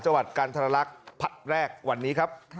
จังหวัดกันทรลักษณ์ผัดแรกวันนี้ครับ